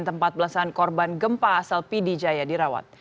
tempat belasan korban gempa asal pd jaya dirawat